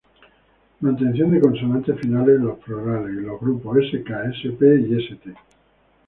Mantención de consonantes finales en los plurales y los grupos "sk", "sp" y "st".